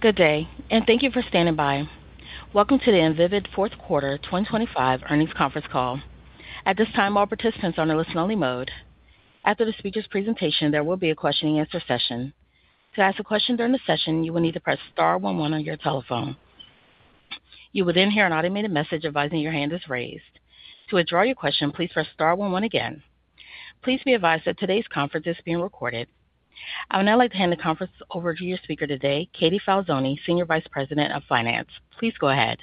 Good day. Thank you for standing by. Welcome to the Invivyd fourth quarter 2025 earnings conference call. At this time, all participants are on a listen-only mode. After the speaker's presentation, there will be a question and answer session. To ask a question during the session, you will need to press star one one on your telephone. You will hear an automated message advising your hand is raised. To withdraw your question, please press star one one again. Please be advised that today's conference is being recorded. I would now like to hand the conference over to your speaker today, Katie Falzone, Senior Vice President of Finance. Please go ahead.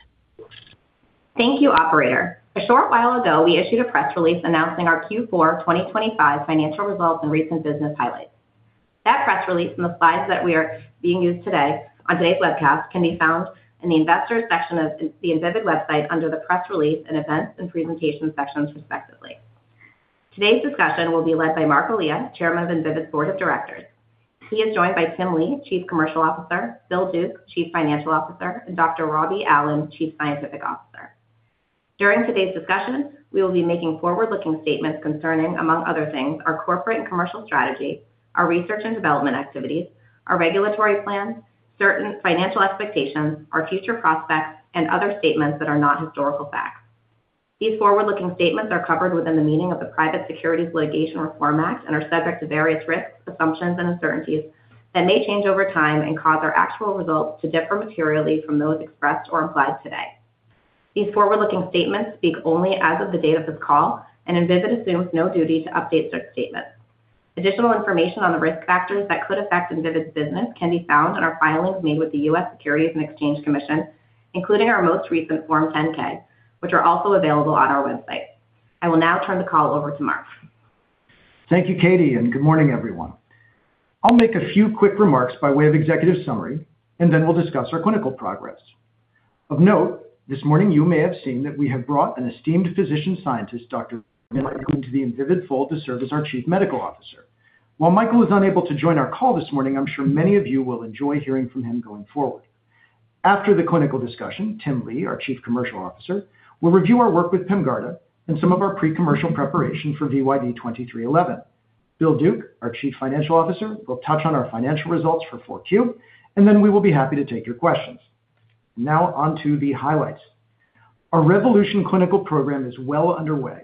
Thank you, operator. A short while ago, we issued a press release announcing our Q4 2025 financial results and recent business highlights. That press release and the slides that we are being used today on today's webcast can be found in the Investors section of the Invivyd website under the Press Release and Events and Presentations sections, respectively. Today's discussion will be led by Marc Elia, Chairman of Invivyd Board of Directors. He is joined by Tim Lee, Chief Commercial Officer, Bill Duke, Chief Financial Officer, and Dr. Robbie Allen, Chief Scientific Officer. During today's discussion, we will be making forward-looking statements concerning, among other things, our corporate and commercial strategy, our research and development activities, our regulatory plans, certain financial expectations, our future prospects, and other statements that are not historical facts. These forward-looking statements are covered within the meaning of the Private Securities Litigation Reform Act and are subject to various risks, assumptions and uncertainties that may change over time and cause our actual results to differ materially from those expressed or implied today. These forward-looking statements speak only as of the date of this call. Invivyd assumes no duty to update such statements. Additional information on the risk factors that could affect Invivyd business can be found in our filings made with the U.S. Securities and Exchange Commission, including our most recent Form 10-K, which are also available on our website. I will now turn the call over to Marc. Thank you, Katie, good morning, everyone. I'll make a few quick remarks by way of executive summary, then we'll discuss our clinical progress. Of note, this morning you may have seen that we have brought an esteemed physician scientist, Michael Mina, into the Invivyd fold to serve as our Chief Medical Officer. While Michael is unable to join our call this morning, I'm sure many of you will enjoy hearing from him going forward. After the clinical discussion, Tim Lee, our Chief Commercial Officer, will review our work with PEMGARDA and some of our pre-commercial preparation for VYD2311. Bill Duke, our Chief Financial Officer, will touch on our financial results for 4Q, then we will be happy to take your questions. Now on to the highlights. Our REVOLUTION clinical program is well underway,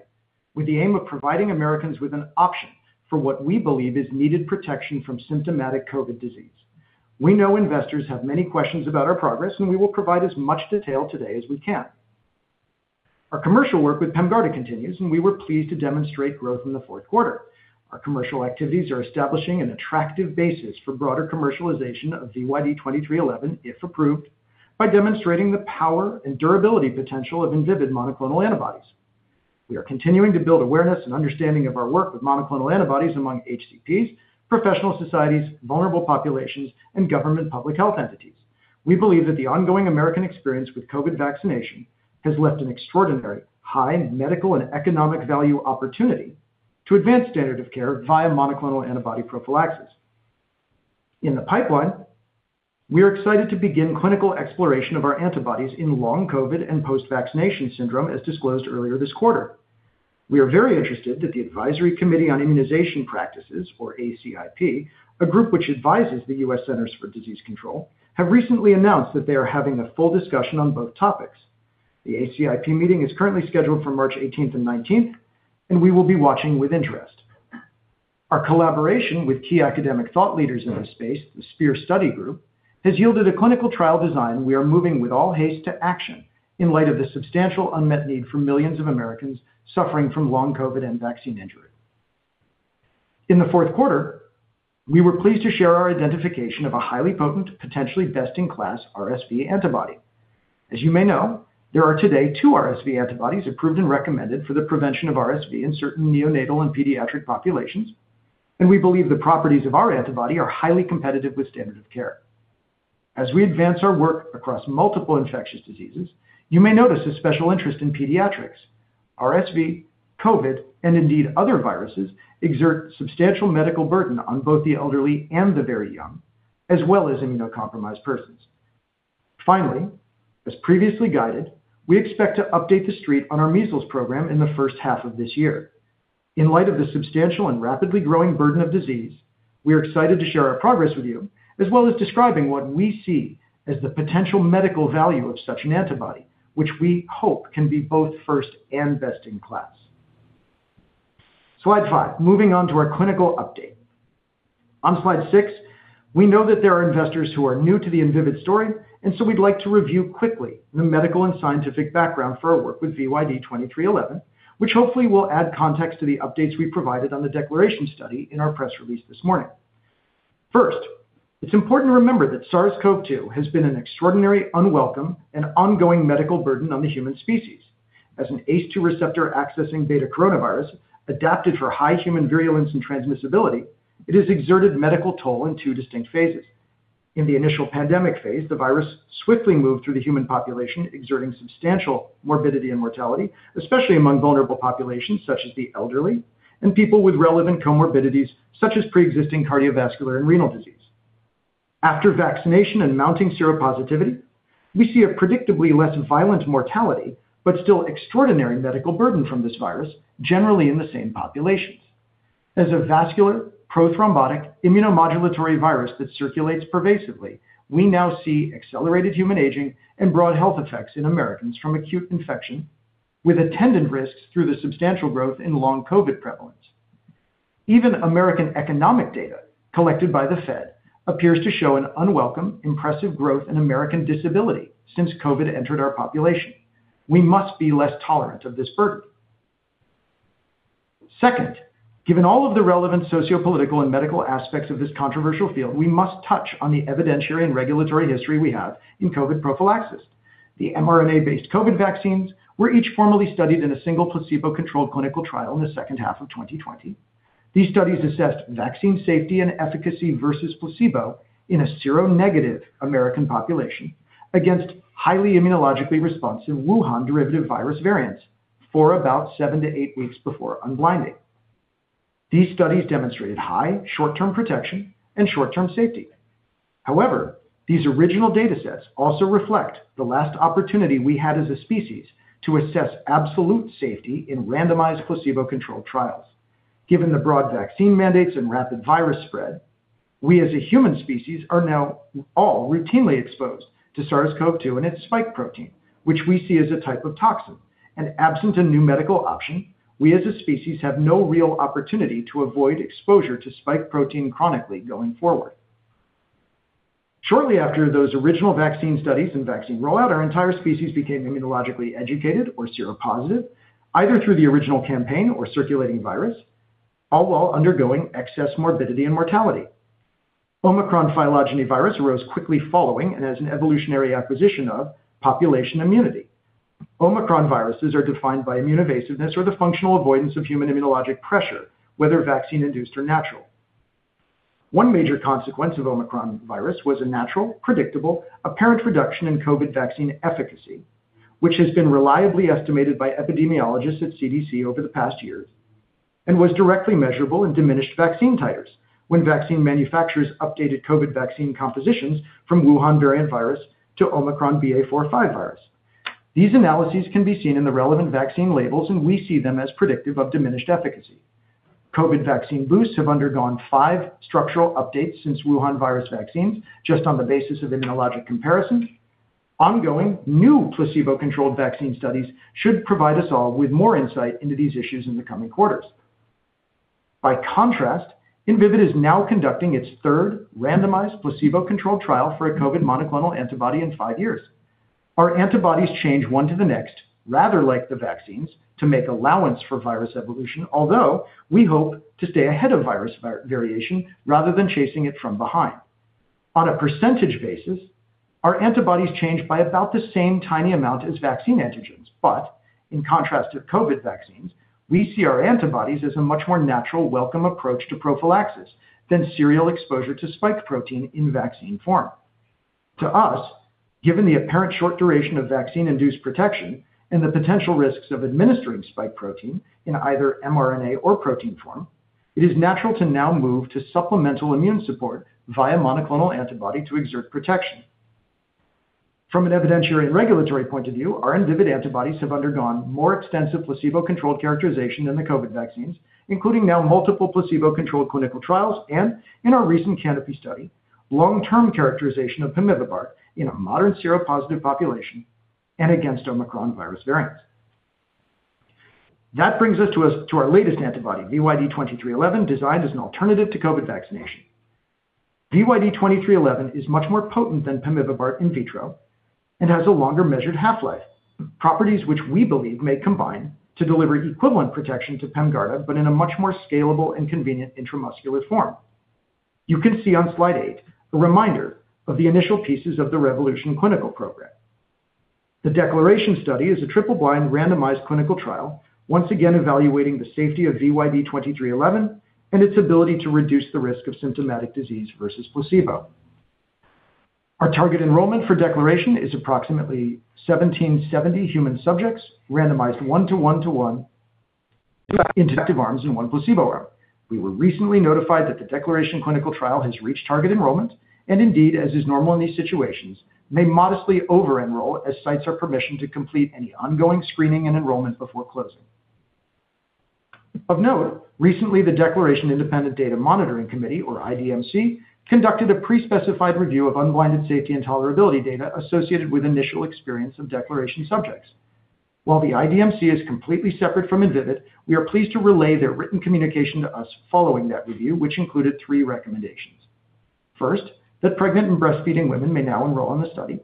with the aim of providing Americans with an option for what we believe is needed protection from symptomatic COVID disease. We know investors have many questions about our progress, and we will provide as much detail today as we can. Our commercial work with PEMGARDA continues, and we were pleased to demonstrate growth in the fourth quarter. Our commercial activities are establishing an attractive basis for broader commercialization of VYD2311, if approved, by demonstrating the power and durability potential of Invivyd monoclonal antibodies. We are continuing to build awareness and understanding of our work with monoclonal antibodies among HCPs, professional societies, vulnerable populations, and government public health entities. We believe that the ongoing American experience with COVID vaccination has left an extraordinary high medical and economic value opportunity to advance standard of care via monoclonal antibody prophylaxis. In the pipeline, we are excited to begin clinical exploration of our antibodies in long COVID and post-vaccination syndrome, as disclosed earlier this quarter. We are very interested that the Advisory Committee on Immunization Practices, or ACIP, a group which advises the U.S. Centers for Disease Control, have recently announced that they are having a full discussion on both topics. The ACIP meeting is currently scheduled for March 18th and 19th. We will be watching with interest. Our collaboration with key academic thought leaders in this space, the SPEAR Study Group, has yielded a clinical trial design we are moving with all haste to action in light of the substantial unmet need for millions of Americans suffering from long COVID and vaccine injury. In the fourth quarter, we were pleased to share our identification of a highly potent, potentially best-in-class RSV antibody. As you may know, there are today two RSV antibodies approved and recommended for the prevention of RSV in certain neonatal and pediatric populations, and we believe the properties of our antibody are highly competitive with standard of care. As we advance our work across multiple infectious diseases, you may notice a special interest in pediatrics. RSV, COVID, and indeed other viruses exert substantial medical burden on both the elderly and the very young, as well as immunocompromised persons. Finally, as previously guided, we expect to update the street on our measles program in the first half of this year. In light of the substantial and rapidly growing burden of disease, we are excited to share our progress with you, as well as describing what we see as the potential medical value of such an antibody, which we hope can be both first and best in class. Slide five. Moving on to our clinical update. On slide six, we know that there are investors who are new to the Invivyd story, and so we'd like to review quickly the medical and scientific background for our work with VYD2311, which hopefully will add context to the updates we provided on the DECLARATION study in our press release this morning. First, it's important to remember that SARS-CoV-2 has been an extraordinary, unwelcome, and ongoing medical burden on the human species. As an ACE2 receptor accessing Betacoronavirus adapted for high human virulence and transmissibility, it has exerted medical toll in two distinct phases. In the initial pandemic phase, the virus swiftly moved through the human population, exerting substantial morbidity and mortality, especially among vulnerable populations such as the elderly and people with relevant comorbidities such as pre-existing cardiovascular and renal disease. After vaccination and mounting seropositivity, we see a predictably less violent mortality but still extraordinary medical burden from this virus, generally in the same populations. As a vascular prothrombotic immunomodulatory virus that circulates pervasively, we now see accelerated human aging and broad health effects in Americans from acute infection with attendant risks through the substantial growth in long COVID prevalence. Even American economic data collected by the Fed appears to show an unwelcome, impressive growth in American disability since COVID entered our population. We must be less tolerant of this burden. Second, given all of the relevant sociopolitical and medical aspects of this controversial field, we must touch on the evidentiary and regulatory history we have in COVID prophylaxis. The mRNA-based COVID vaccines were each formally studied in a single placebo-controlled clinical trial in the second half of 2020. These studies assessed vaccine safety and efficacy versus placebo in a seronegative American population against highly immunologically responsive Wuhan-derivative virus variants for about 7-8 weeks before unblinding. These studies demonstrated high short-term protection and short-term safety. However, these original data sets also reflect the last opportunity we had as a species to assess absolute safety in randomized placebo-controlled trials. Given the broad vaccine mandates and rapid virus spread, we as a human species are now all routinely exposed to SARS-CoV-2 and its spike protein, which we see as a type of toxin, and absent a new medical option, we as a species have no real opportunity to avoid exposure to spike protein chronically going forward. Shortly after those original vaccine studies and vaccine rollout, our entire species became immunologically educated or seropositive, either through the original campaign or circulating virus, all while undergoing excess morbidity and mortality. Omicron phylogeny virus arose quickly following as an evolutionary acquisition of population immunity. Omicron viruses are defined by immune evasiveness or the functional avoidance of human immunologic pressure, whether vaccine-induced or natural. One major consequence of Omicron virus was a natural, predictable, apparent reduction in COVID vaccine efficacy, which has been reliably estimated by epidemiologists at CDC over the past year and was directly measurable in diminished vaccine titers when vaccine manufacturers updated COVID vaccine compositions from Wuhan variant virus to Omicron BA.4/5 virus. These analyses can be seen in the relevant vaccine labels, we see them as predictive of diminished efficacy. COVID vaccine boosts have undergone five structural updates since Wuhan virus vaccines just on the basis of immunologic comparison. Ongoing new placebo-controlled vaccine studies should provide us all with more insight into these issues in the coming quarters. By contrast, Invivyd is now conducting its third randomized placebo-controlled trial for a COVID monoclonal antibody in five years. Our antibodies change one to the next, rather like the vaccines, to make allowance for virus evolution, although we hope to stay ahead of virus variation rather than chasing it from behind. On a percentage basis, our antibodies change by about the same tiny amount as vaccine antigens, but in contrast to COVID vaccines, we see our antibodies as a much more natural, welcome approach to prophylaxis than serial exposure to spike protein in vaccine form. To us, given the apparent short duration of vaccine-induced protection and the potential risks of administering spike protein in either mRNA or protein form, it is natural to now move to supplemental immune support via monoclonal antibody to exert protection. From an evidentiary and regulatory point of view, our Invivyd antibodies have undergone more extensive placebo-controlled characterization than the COVID vaccines, including now multiple placebo-controlled clinical trials and, in our recent CANOPY study, long-term characterization of pemivibart in a modern seropositive population and against Omicron virus variants. That brings us to our latest antibody, VYD2311, designed as an alternative to COVID vaccination. VYD2311 is much more potent than pemivibart in vitro and has a longer measured half-life, properties which we believe may combine to deliver equivalent protection to PEMGARDA but in a much more scalable and convenient intramuscular form. You can see on slide eight a reminder of the initial pieces of the REVOLUTION clinical program. The DECLARATION study is a triple-blind randomized clinical trial, once again evaluating the safety of VYD2311 and its ability to reduce the risk of symptomatic disease versus placebo. Our target enrollment for DECLARATION is approximately 1,770 human subjects randomized 1-to-1-to-1 in two active arms and one placebo arm. We were recently notified that the DECLARATION clinical trial has reached target enrollment and indeed, as is normal in these situations, may modestly over-enroll as sites are permissioned to complete any ongoing screening and enrollment before closing. Of note, recently the DECLARATION Independent Data Monitoring Committee, or IDMC, conducted a pre-specified review of unblinded safety and tolerability data associated with initial experience of DECLARATION subjects. While the IDMC is completely separate from Invivyd, we are pleased to relay their written communication to us following that review, which included three recommendations. First, that pregnant and breastfeeding women may now enroll in the study.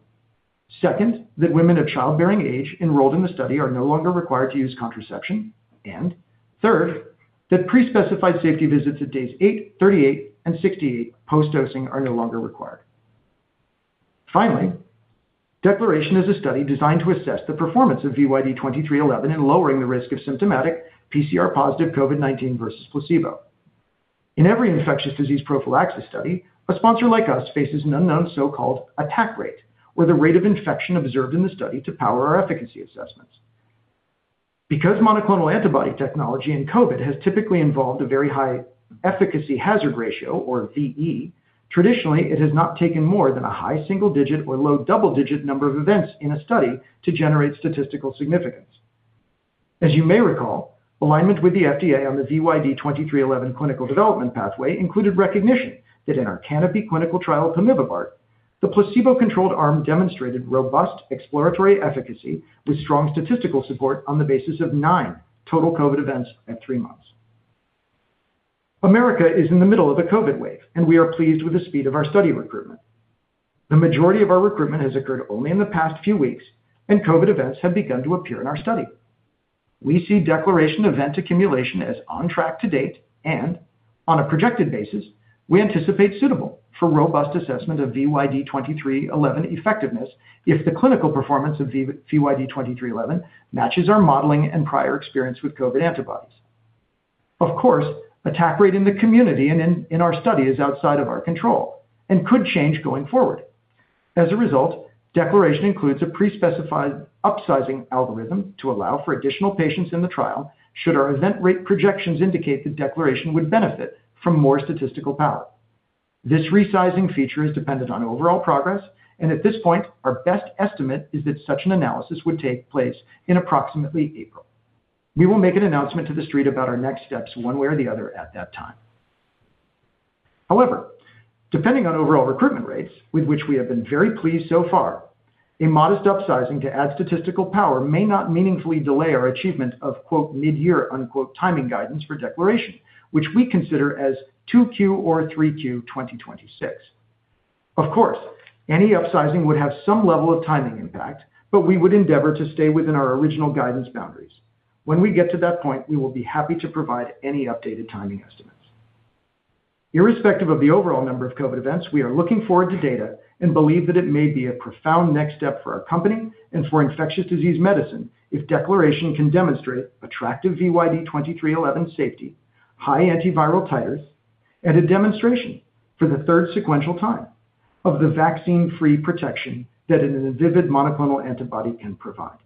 Second, that women of childbearing age enrolled in the study are no longer required to use contraception. Third, that pre-specified safety visits at days eight, 38, and 68 post-dosing are no longer required. Finally, DECLARATION is a study designed to assess the performance of VYD2311 in lowering the risk of symptomatic PCR-positive COVID-19 versus placebo. In every infectious disease prophylaxis study, a sponsor like us faces an unknown so-called attack rate, or the rate of infection observed in the study to power our efficacy assessments. Because monoclonal antibody technology in COVID has typically involved a very high efficacy hazard ratio, or VE. Traditionally, it has not taken more than a high single-digit or low double-digit number of events in a study to generate statistical significance. As you may recall, alignment with the FDA on the VYD2311 clinical development pathway included recognition that in our CANOPY clinical trial of pemivibart, the placebo-controlled arm demonstrated robust exploratory efficacy with strong statistical support on the basis of nine total COVID events at three months. America is in the middle of a COVID wave. We are pleased with the speed of our study recruitment. The majority of our recruitment has occurred only in the past few weeks. COVID events have begun to appear in our study. We see DECLARATION event accumulation as on track to date and on a projected basis, we anticipate suitable for robust assessment of VYD2311 effectiveness if the clinical performance of VYD2311 matches our modeling and prior experience with COVID antibodies. Of course, attack rate in the community and in our study is outside of our control and could change going forward. As a result, DECLARATION includes a pre-specified upsizing algorithm to allow for additional patients in the trial should our event rate projections indicate the DECLARATION would benefit from more statistical power. This resizing feature is dependent on overall progress, and at this point, our best estimate is that such an analysis would take place in approximately April. We will make an announcement to the street about our next steps one way or the other at that time. However, depending on overall recruitment rates, with which we have been very pleased so far, a modest upsizing to add statistical power may not meaningfully delay our achievement of quote mid-year unquote timing guidance for DECLARATION, which we consider as 2Q or 3Q 2026. Of course, any upsizing would have some level of timing impact, but we would endeavor to stay within our original guidance boundaries. When we get to that point, we will be happy to provide any updated timing estimates. Irrespective of the overall number of COVID events, we are looking forward to data and believe that it may be a profound next step for our company and for infectious disease medicine if DECLARATION can demonstrate attractive VYD2311 safety, high antiviral titers, and a demonstration for the third sequential time of the vaccine-free protection that an Invivyd monoclonal antibody can provide.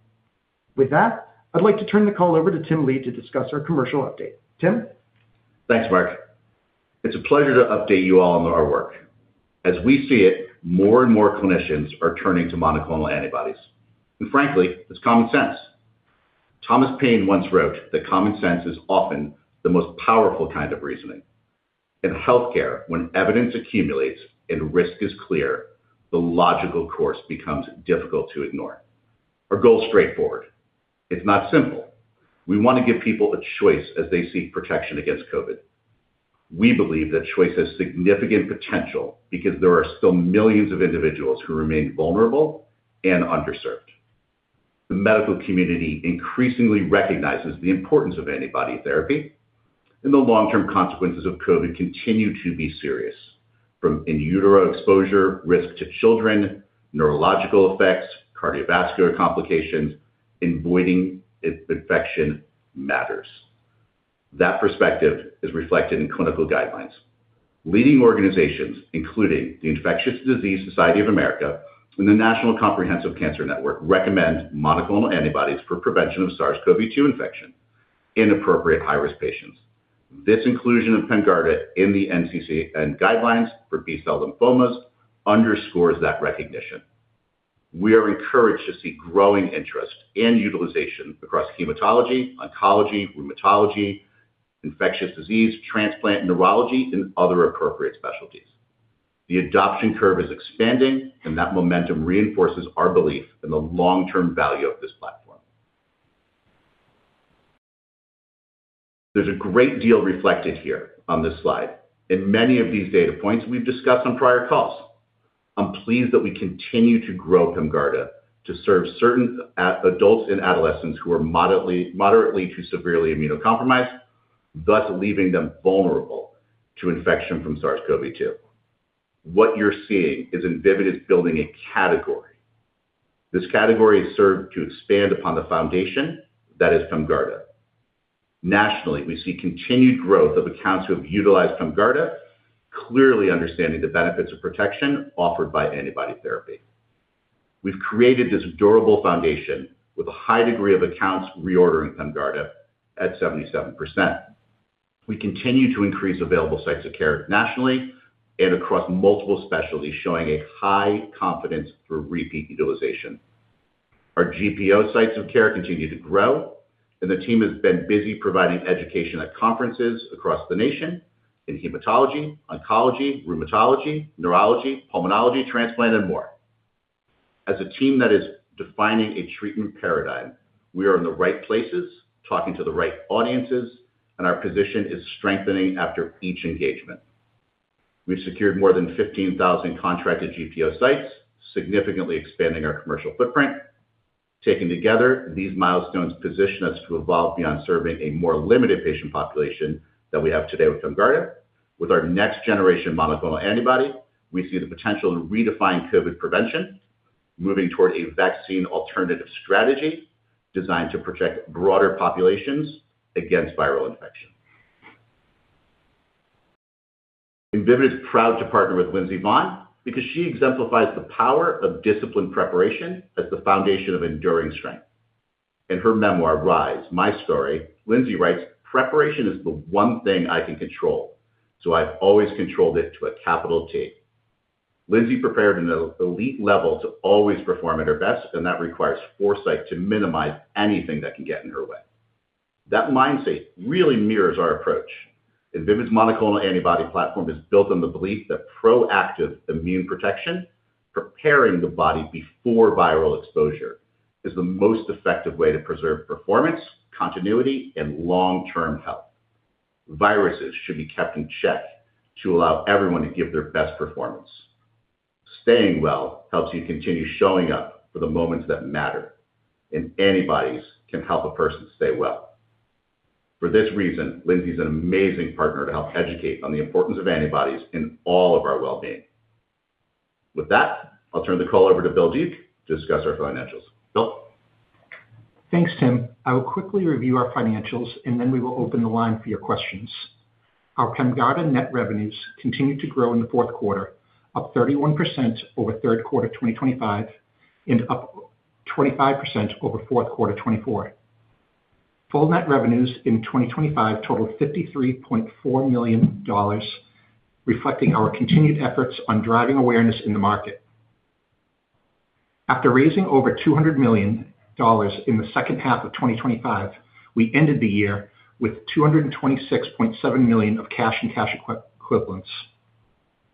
With that, I'd like to turn the call over to Tim Lee to discuss our commercial update. Tim? Thanks, Marc. It's a pleasure to update you all on our work. As we see it, more and more clinicians are turning to monoclonal antibodies. Frankly, it's common sense. Thomas Paine once wrote that common sense is often the most powerful kind of reasoning. In healthcare, when evidence accumulates and risk is clear, the logical course becomes difficult to ignore or go straightforward. It's not simple. We want to give people a choice as they seek protection against COVID. We believe that choice has significant potential because there are still millions of individuals who remain vulnerable and underserved. The medical community increasingly recognizes the importance of antibody therapy, and the long-term consequences of COVID continue to be serious. From in utero exposure, risk to children, neurological effects, cardiovascular complications, and avoiding infection matters. That perspective is reflected in clinical guidelines. Leading organizations, including the Infectious Diseases Society of America and the National Comprehensive Cancer Network, recommend monoclonal antibodies for prevention of SARS-CoV-2 infection in appropriate high-risk patients. This inclusion of PEMGARDA in the NCCN guidelines for B-cell lymphomas underscores that recognition. We are encouraged to see growing interest in utilization across hematology, oncology, rheumatology, infectious disease, transplant neurology, and other appropriate specialties. The adoption curve is expanding. That momentum reinforces our belief in the long-term value of this platform. There's a great deal reflected here on this slide. In many of these data points we've discussed on prior calls. I'm pleased that we continue to grow PEMGARDA to serve certain adults and adolescents who are moderately to severely immunocompromised, thus leaving them vulnerable to infection from SARS-CoV-2. What you're seeing is Invivyd building a category. This category has served to expand upon the foundation that is PEMGARDA. Nationally, we see continued growth of accounts who have utilized PEMGARDA, clearly understanding the benefits of protection offered by antibody therapy. We've created this durable foundation with a high degree of accounts reordering PEMGARDA at 77%. We continue to increase available sites of care nationally and across multiple specialties, showing a high confidence for repeat utilization. Our GPO sites of care continue to grow, and the team has been busy providing education at conferences across the nation in hematology, oncology, rheumatology, neurology, pulmonology, transplant, and more. As a team that is defining a treatment paradigm, we are in the right places, talking to the right audiences, and our position is strengthening after each engagement. We've secured more than 15,000 contracted GPO sites, significantly expanding our commercial footprint. Taken together, these milestones position us to evolve beyond serving a more limited patient population than we have today with PEMGARDA. With our next generation monoclonal antibody, we see the potential in redefining COVID prevention, moving toward a vaccine alternative strategy designed to protect broader populations against viral infection. Invivyd's proud to partner with Lindsey Vonn because she exemplifies the power of disciplined preparation as the foundation of enduring strength. In her memoir, Rise: My Story, Lindsey writes, "Preparation is the one thing I can control, so I've always controlled it to a capital T." Lindsey prepared an elite level to always perform at her best, and that requires foresight to minimize anything that can get in her way. That mindset really mirrors our approach. Invivyd's monoclonal antibody platform is built on the belief that proactive immune protection, preparing the body before viral exposure, is the most effective way to preserve performance, continuity, and long-term health. Viruses should be kept in check to allow everyone to give their best performance. Staying well helps you continue showing up for the moments that matter. Antibodies can help a person stay well. For this reason, Lindsey is an amazing partner to help educate on the importance of antibodies in all of our well-being. With that, I'll turn the call over to Bill Duke to discuss our financials. Bill? Thanks, Tim. I will quickly review our financials, and then we will open the line for your questions. Our PEMGARDA net revenues continued to grow in the fourth quarter, up 31% over third quarter 2025 and up 25% over fourth quarter 2024. Full net revenues in 2025 totaled $53.4 million, reflecting our continued efforts on driving awareness in the market. After raising over $200 million in the second half of 2025, we ended the year with $226.7 million of cash and cash equivalents.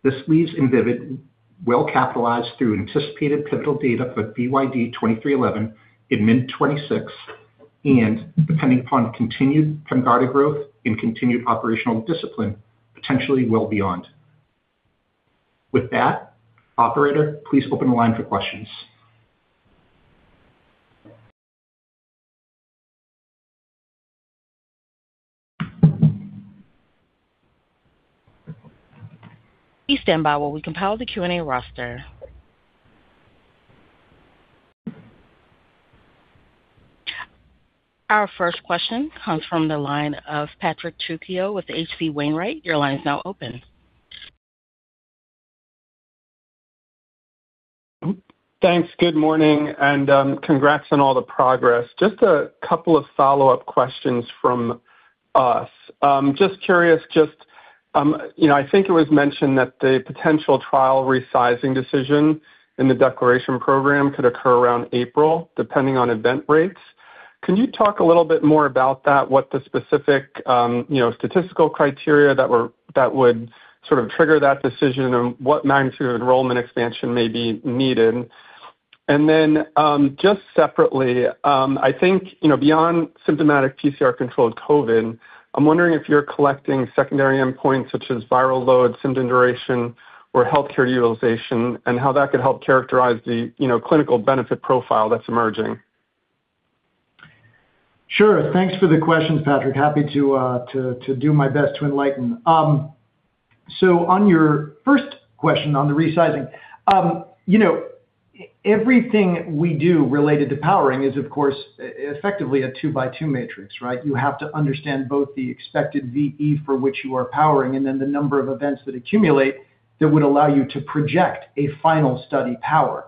This leaves Invivyd well-capitalized through anticipated pivotal data for VYD2311 in mid 2026 and, depending upon continued PEMGARDA growth and continued operational discipline, potentially well beyond. With that, operator, please open the line for questions. Please stand by while we compile the Q&A roster. Our first question comes from the line of Patrick Trucchio with H.C. Wainwright. Your line is now open. Thanks. Good morning, and congrats on all the progress. Just a couple of follow-up questions from us. Just curious, just, you know, I think it was mentioned that the potential trial resizing decision in the DECLARATION program could occur around April, depending on event rates. Can you talk a little bit more about that? What the specific, you know, statistical criteria that would sort of trigger that decision and what magnitude of enrollment expansion may be needed? Then, just separately, I think, you know, beyond symptomatic PCR-controlled COVID, I'm wondering if you're collecting secondary endpoints such as viral load, symptom duration, or healthcare utilization, and how that could help characterize the, you know, clinical benefit profile that's emerging. Sure. Thanks for the questions, Patrick. Happy to do my best to enlighten. On your first question on the resizing, you know, everything we do related to powering is, of course, effectively a two-by-two matrix, right? You have to understand both the expected VE for which you are powering and then the number of events that accumulate that would allow you to project a final study power.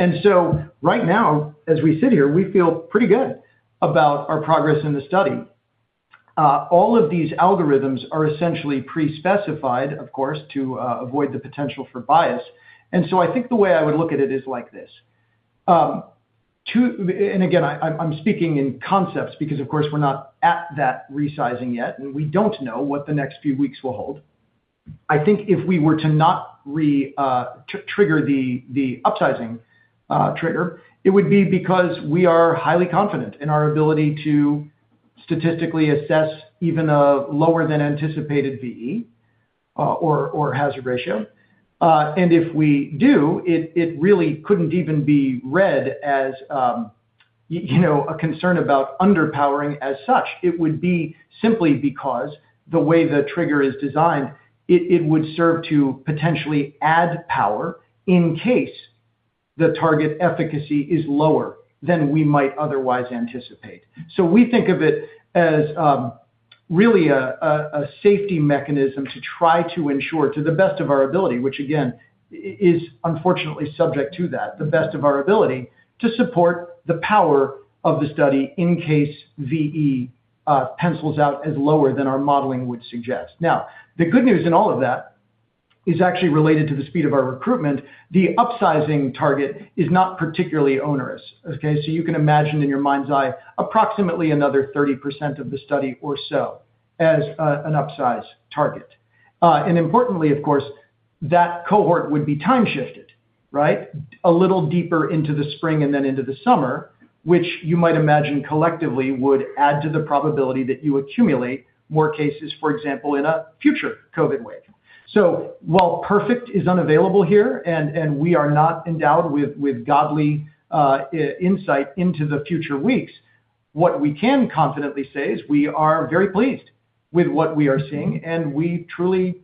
Right now, as we sit here, we feel pretty good about our progress in the study. All of these algorithms are essentially pre-specified, of course, to avoid the potential for bias. I think the way I would look at it is like this. And again, I'm speaking in concepts because of course we're not at that resizing yet, and we don't know what the next few weeks will hold. I think if we were to not trigger the upsizing trigger, it would be because we are highly confident in our ability to statistically assess even a lower than anticipated VE or hazard ratio. If we do, it really couldn't even be read as, you know, a concern about under-powering as such. It would be simply because the way the trigger is designed, it would serve to potentially add power in case the target efficacy is lower than we might otherwise anticipate. We think of it as really a safety mechanism to try to ensure to the best of our ability, which again is unfortunately subject to that, the best of our ability to support the power of the study in case VE pencils out as lower than our modeling would suggest. The good news in all of that is actually related to the speed of our recruitment. The upsizing target is not particularly onerous. Okay? You can imagine in your mind's eye approximately another 30% of the study or so as an upsize target. Importantly, of course, that cohort would be time-shifted, right? A little deeper into the spring and then into the summer, which you might imagine collectively would add to the probability that you accumulate more cases, for example, in a future COVID wave. While perfect is unavailable here and we are not endowed with godly insight into the future weeks, what we can confidently say is we are very pleased with what we are seeing, and we truly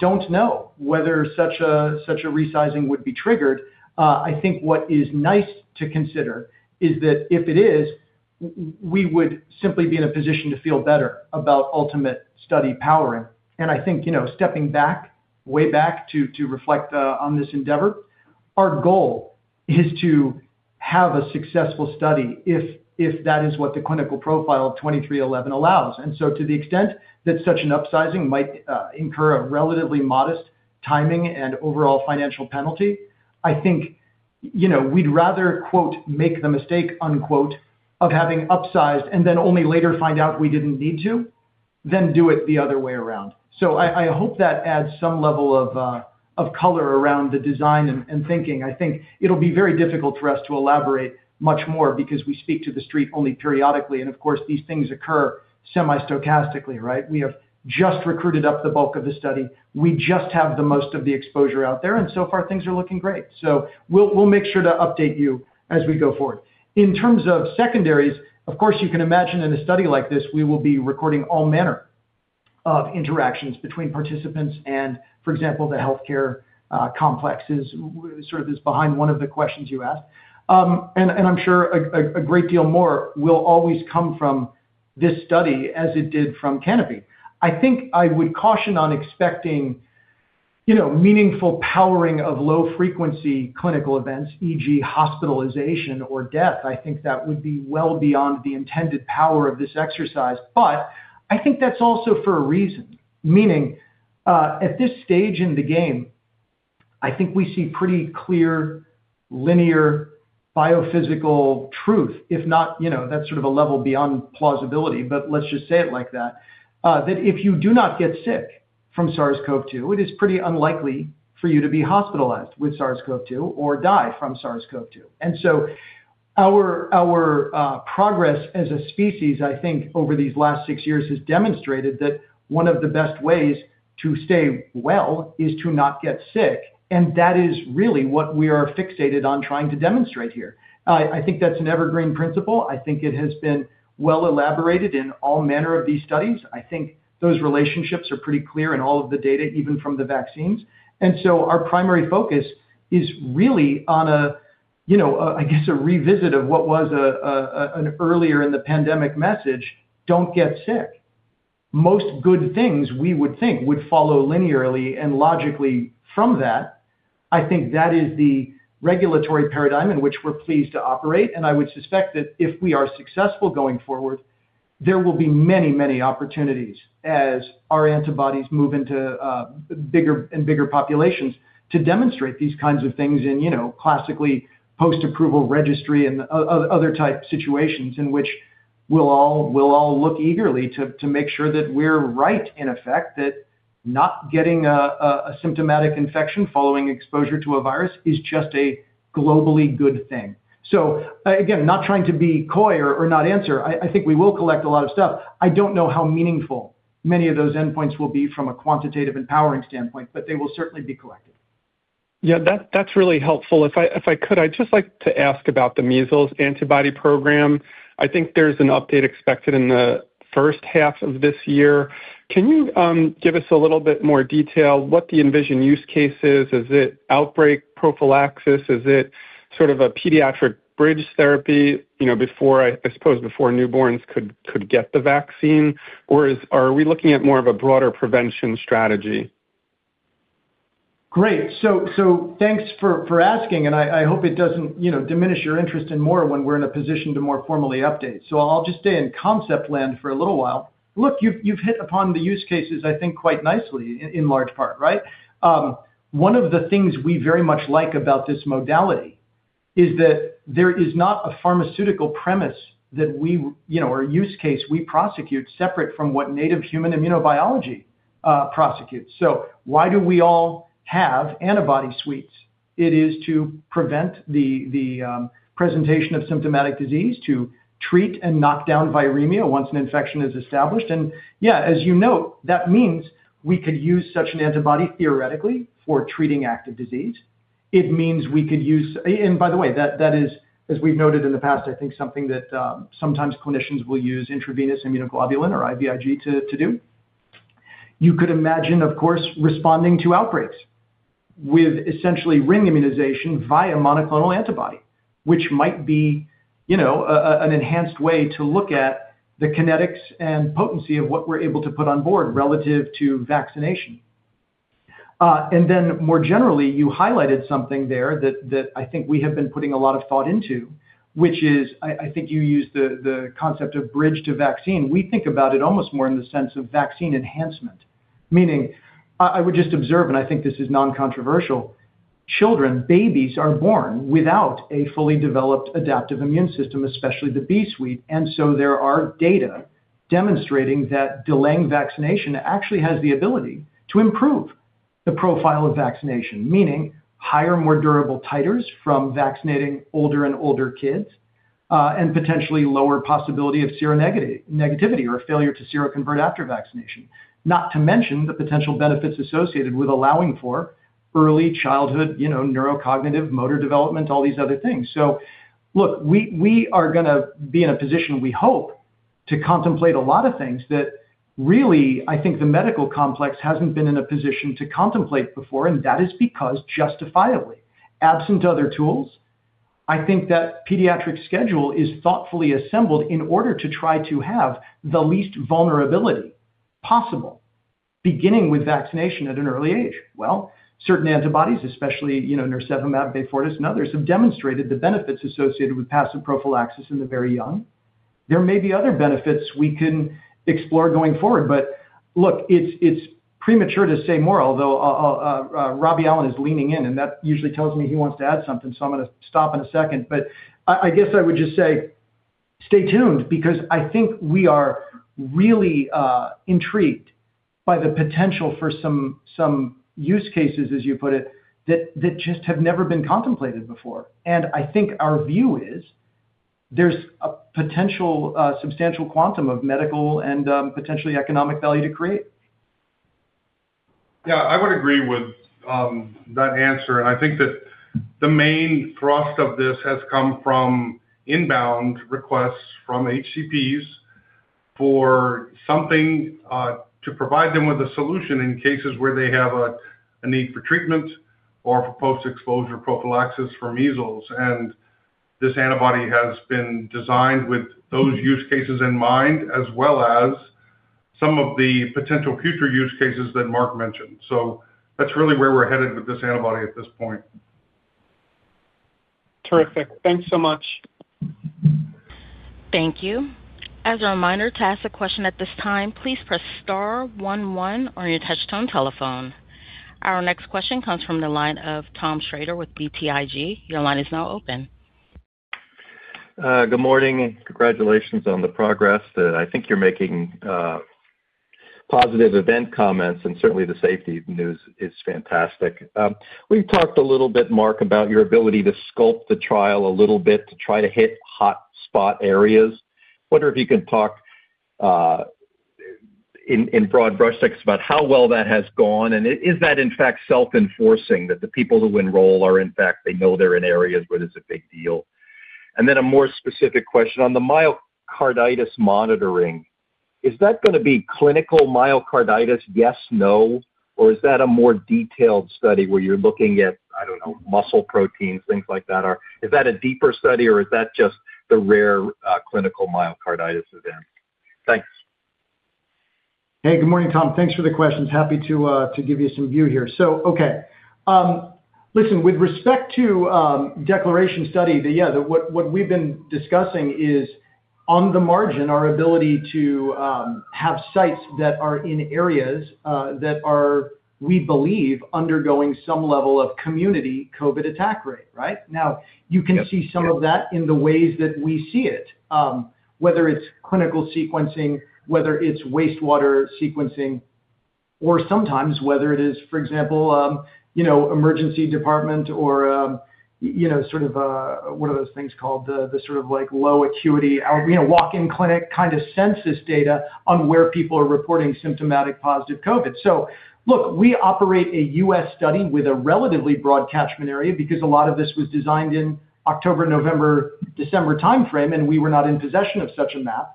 don't know whether such a resizing would be triggered. I think what is nice to consider is that if it is, we would simply be in a position to feel better about ultimate study powering. I think, you know, stepping back, way back to reflect on this endeavor. Our goal is to have a successful study if that is what the clinical profile of 2311 allows. To the extent that such an upsizing might incur a relatively modest timing and overall financial penalty, I think, you know, we'd rather quote, "Make the mistake," unquote, of having upsized and then only later find out we didn't need to than do it the other way around. I hope that adds some level of color around the design and thinking. I think it'll be very difficult for us to elaborate much more because we speak to the street only periodically, and of course, these things occur semi-stochastically, right? We have just recruited up the bulk of the study. We just have the most of the exposure out there, and so far things are looking great. We'll make sure to update you as we go forward. In terms of secondaries, of course, you can imagine in a study like this we will be recording all manner of interactions between participants and, for example, the healthcare complexes sort of is behind one of the questions you asked. I'm sure a great deal more will always come from this study as it did from CANOPY. I think I would caution on expecting, you know, meaningful powering of low frequency clinical events, e.g., hospitalization or death. I think that would be well beyond the intended power of this exercise. I think that's also for a reason, meaning, at this stage in the game, I think we see pretty clear linear biophysical truth, if not, you know, that's sort of a level beyond plausibility, but let's just say it like that. That if you do not get sick from SARS-CoV-2, it is pretty unlikely for you to be hospitalized with SARS-CoV-2 or die from SARS-CoV-2. Our progress as a species, I think, over these last six years has demonstrated that one of the best ways to stay well is to not get sick, and that is really what we are fixated on trying to demonstrate here. I think that's an evergreen principle. I think it has been well elaborated in all manner of these studies. I think those relationships are pretty clear in all of the data, even from the vaccines. Our primary focus is really on a, you know, a, I guess, a revisit of what was an earlier in the pandemic message, don't get sick. Most good things we would think would follow linearly and logically from that. I think that is the regulatory paradigm in which we're pleased to operate. I would suspect that if we are successful going forward, there will be many, many opportunities as our antibodies move into bigger and bigger populations to demonstrate these kinds of things in, you know, classically post-approval registry and other type situations in which we'll all look eagerly to make sure that we're right in effect, that not getting a symptomatic infection following exposure to a virus is just a globally good thing. Again, not trying to be coy or not answer. I think we will collect a lot of stuff. I don't know how meaningful many of those endpoints will be from a quantitative and powering standpoint, but they will certainly be collected. That's really helpful. If I could, I'd just like to ask about the measles antibody program. I think there's an update expected in the first half of this year. Can you give us a little bit more detail what the envisioned use case is? Is it outbreak prophylaxis? Is it sort of a pediatric bridge therapy, you know, I suppose before newborns could get the vaccine? Are we looking at more of a broader prevention strategy? Great. Thanks for asking, and I hope it doesn't, you know, diminish your interest in more when we're in a position to more formally update. I'll just stay in concept land for a little while. Look, you've hit upon the use cases, I think, quite nicely in large part, right? One of the things we very much like about this modality is that there is not a pharmaceutical premise that we, you know, or use case we prosecute separate from what native human immunobiology prosecutes. Why do we all have antibody suites? It is to prevent the presentation of symptomatic disease, to treat and knock down viremia once an infection is established. Yeah, as you note, that means we could use such an antibody theoretically for treating active disease. It means we could use. By the way, that is, as we've noted in the past, I think something that, sometimes clinicians will use intravenous immunoglobulin or IVIG to do. You could imagine, of course, responding to outbreaks with essentially ring immunization via monoclonal antibody, which might be, you know, an enhanced way to look at the kinetics and potency of what we're able to put on board relative to vaccination. More generally, you highlighted something there that I think we have been putting a lot of thought into, which is I think you used the concept of bridge to vaccine. We think about it almost more in the sense of vaccine enhancement, meaning, I would just observe, and I think this is non-controversial, children, babies are born without a fully developed adaptive immune system, especially the B suite. There are data demonstrating that delaying vaccination actually has the ability to improve the profile of vaccination, meaning higher, more durable titers from vaccinating older and older kids, and potentially lower possibility of seronegativity or failure to seroconvert after vaccination. Not to mention the potential benefits associated with allowing for early childhood, you know, neurocognitive motor development, all these other things. Look, we are gonna be in a position we hope to contemplate a lot of things that really, I think the medical complex hasn't been in a position to contemplate before, and that is because justifiably, absent other tools, I think that pediatric schedule is thoughtfully assembled in order to try to have the least vulnerability possible, beginning with vaccination at an early age. Well, certain antibodies, especially, you know, nirsevimab, Beyfortus, and others, have demonstrated the benefits associated with passive prophylaxis in the very young. There may be other benefits we can explore going forward. Look, it's premature to say more, although Robert Allen is leaning in. That usually tells me he wants to add something, so I'm gonna stop in a second. I guess I would just say stay tuned because I think we are really intrigued by the potential for some use cases, as you put it, that just have never been contemplated before. I think our view is there's a potential substantial quantum of medical and potentially economic value to create. Yeah, I would agree with that answer. I think that the main thrust of this has come from inbound requests from HCPs for something to provide them with a solution in cases where they have a need for treatment or for post-exposure prophylaxis for measles. This antibody has been designed with those use cases in mind as well as some of the potential future use cases that Marc mentioned. That's really where we're headed with this antibody at this point. Terrific. Thanks so much. Thank you. As a reminder, to ask a question at this time, please press star one one on your touchtone telephone. Our next question comes from the line of Tom Schroeder with BTIG. Your line is now open. Good morning. Congratulations on the progress that I think you're making, positive event comments, and certainly the safety news is fantastic. We've talked a little bit, Marc, about your ability to sculpt the trial a little bit to try to hit hot spot areas. Wonder if you could talk in broad brushstrokes about how well that has gone, and is that in fact self-enforcing that the people who enroll are in fact they know they're in areas where there's a big deal? A more specific question on the myocarditis monitoring. Is that gonna be clinical myocarditis, yes, no, or is that a more detailed study where you're looking at, I don't know, muscle proteins, things like that? Is that a deeper study, or is that just the rare clinical myocarditis event? Thanks. Hey, good morning, Tom. Thanks for the questions. Happy to give you some view here. Okay. Listen, with respect to DECLARATION study, what we've been discussing is on the margin, our ability to have sites that are in areas that are, we believe, undergoing some level of community COVID attack rate, right? Yep, yep. You can see some of that in the ways that we see it, whether it's clinical sequencing, whether it's wastewater sequencing, or sometimes whether it is, for example, you know, emergency department or, you know, sort of, one of those things called the sort of like low acuity, you know, walk-in clinic kind of census data on where people are reporting symptomatic positive COVID. Look, we operate a U.S. study with a relatively broad catchment area because a lot of this was designed in October, November, December timeframe, and we were not in possession of such a map.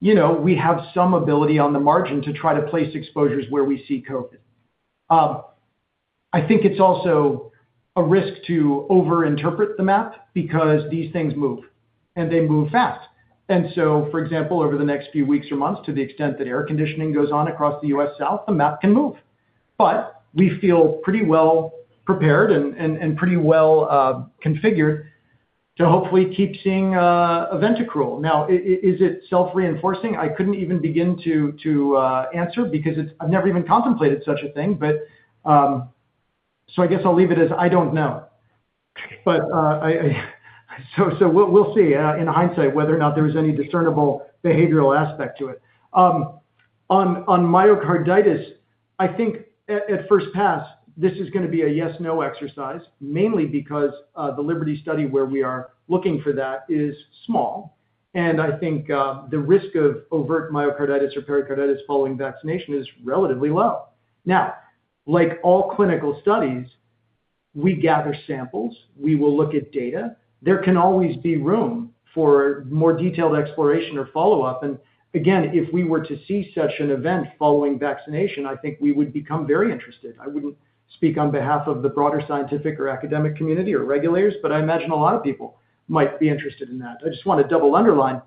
You know, we have some ability on the margin to try to place exposures where we see COVID. I think it's also a risk to over interpret the map because these things move, and they move fast. For example, over the next few weeks or months, to the extent that air conditioning goes on across the U.S. South, the map can move. We feel pretty well prepared and pretty well configured to hopefully keep seeing event accrual. Is it self-reinforcing? I couldn't even begin to answer because it's I've never even contemplated such a thing. I guess I'll leave it as I don't know. I so we'll see in hindsight whether or not there was any discernible behavioral aspect to it. On myocarditis, I think at first pass, this is gonna be a yes no exercise, mainly because the LIBERTY study where we are looking for that is small. I think, the risk of overt myocarditis or pericarditis following vaccination is relatively low. Now, like all clinical studies, we gather samples. We will look at data. There can always be room for more detailed exploration or follow-up. Again, if we were to see such an event following vaccination, I think we would become very interested. I wouldn't speak on behalf of the broader scientific or academic community or regulators, but I imagine a lot of people might be interested in that. I just want to double underline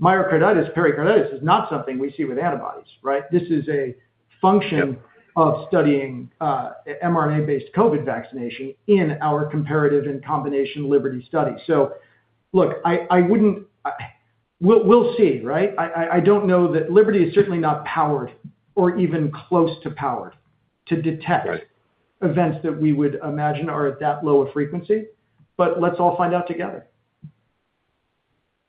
myocarditis, pericarditis is not something we see with antibodies, right? Yep. Of studying, mRNA-based COVID vaccination in our comparative and combination LIBERTY study. Look, I wouldn't... We'll see, right? I don't know that LIBERTY is certainly not powered or even close to powered to detect- Right. Events that we would imagine are at that low of frequency, but let's all find out together.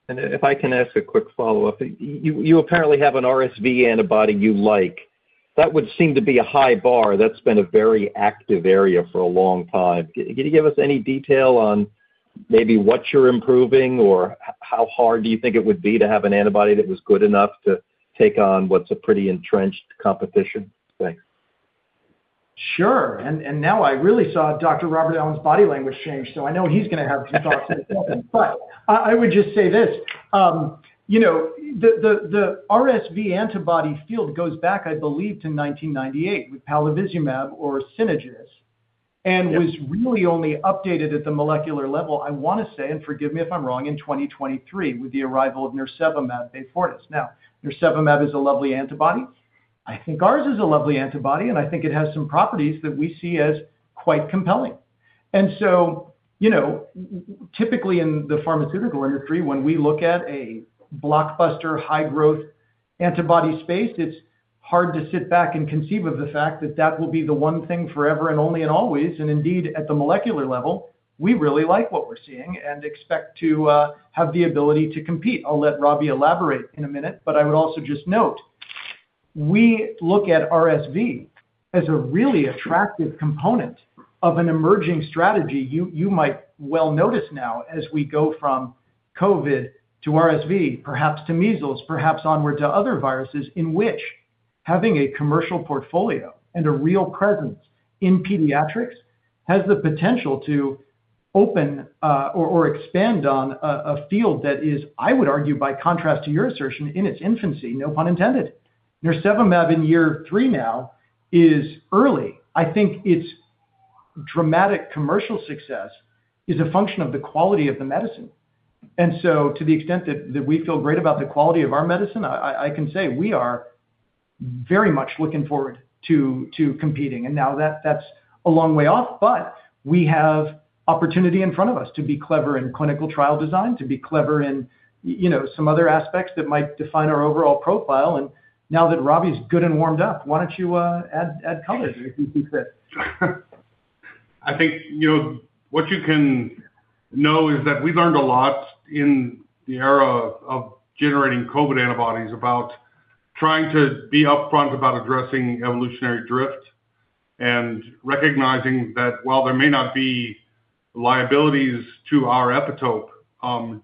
If I can ask a quick follow-up. You apparently have an RSV antibody you like. That would seem to be a high bar that's been a very active area for a long time. Can you give us any detail on maybe what you're improving or how hard do you think it would be to have an antibody that was good enough to take on what's a pretty entrenched competition? Thanks. Sure. now I really saw Dr. Robert Allen's body language change, so I know he's gonna have some thoughts in a second. I would just say this, you know, the RSV antibody field goes back, I believe, to 1998 with palivizumab or Synagis. was really only updated at the molecular level, I wanna say, and forgive me if I'm wrong, in 2023 with the arrival of nirsevimab, Beyfortus. Now, nirsevimab is a lovely antibody. I think ours is a lovely antibody, and I think it has some properties that we see as quite compelling. you know, typically in the pharmaceutical industry, when we look at a blockbuster high-growth antibody space, it's hard to sit back and conceive of the fact that that will be the one thing forever and only and always. Indeed, at the molecular level, we really like what we're seeing and expect to have the ability to compete. I'll let Robert elaborate in a minute, but I would also just note we look at RSV as a really attractive component of an emerging strategy. You might well notice now as we go from COVID to RSV, perhaps to measles, perhaps onward to other viruses in which having a commercial portfolio and a real presence in pediatrics has the potential to open or expand on a field that is, I would argue, by contrast to your assertion, in its infancy, no pun intended. nirsevimab in year three now is early. I think its dramatic commercial success is a function of the quality of the medicine. To the extent that we feel great about the quality of our medicine, I can say we are very much looking forward to competing. Now that's a long way off, but we have opportunity in front of us to be clever in clinical trial design, to be clever in, you know, some other aspects that might define our overall profile. Now that Robert's good and warmed up, why don't you add color if you think that. I think, you know, what you can know is that we learned a lot in the era of generating COVID antibodies about trying to be upfront about addressing evolutionary drift and recognizing that while there may not be liabilities to our epitope,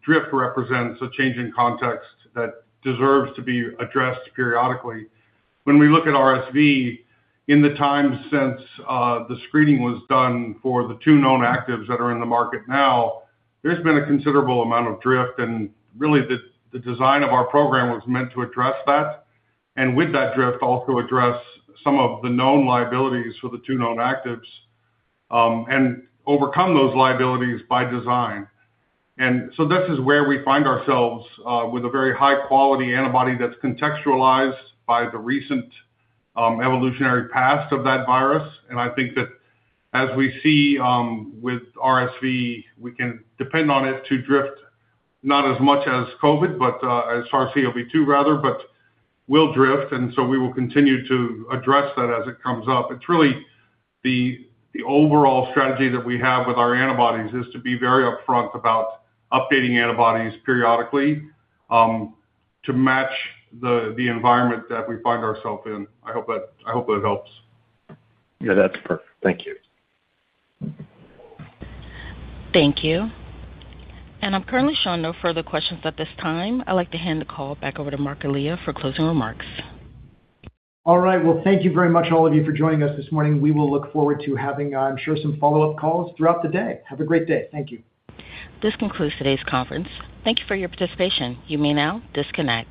drift represents a change in context that deserves to be addressed periodically. When we look at RSV in the time since, the screening was done for the two known actives that are in the market now, there's been a considerable amount of drift, and really the design of our program was meant to address that and with that drift also address some of the known liabilities for the two known actives, and overcome those liabilities by design. This is where we find ourselves, with a very high-quality antibody that's contextualized by the recent, evolutionary past of that virus. I think that as we see, with RSV, we can depend on it to drift not as much as COVID, but as far as COV-2 rather, but will drift, and so we will continue to address that as it comes up. It's really the overall strategy that we have with our antibodies is to be very upfront about updating antibodies periodically, to match the environment that we find ourself in. I hope that, I hope that helps. Yeah, that's perfect. Thank you. Thank you. I'm currently showing no further questions at this time. I'd like to hand the call back over to Marc Elia for closing remarks. All right. Well, thank you very much all of you for joining us this morning. We will look forward to having, I'm sure, some follow-up calls throughout the day. Have a great day. Thank you. This concludes today's conference. Thank you for your participation. You may now disconnect.